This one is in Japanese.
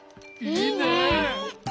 いいね！